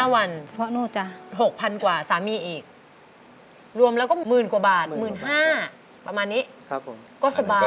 ๑๕วัน๖๐๐๐กว่าสามีอีกรวมแล้วก็๑๐๐๐๐กว่าบาท๑๕๐๐๐ประมาณนี้ก็สบาย